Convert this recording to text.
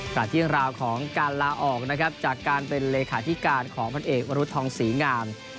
ขณะที่ราวของการลาออกนะครับจากการเป็นเลขาธิการของพันเอกวรุษทองศรีงาม